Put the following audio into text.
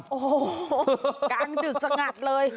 โอ้โหกลางดึกสงัดเลย